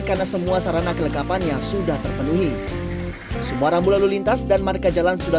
karena semua sarana kelekapannya sudah terpenuhi semua rambu lalu lintas dan marka jalan sudah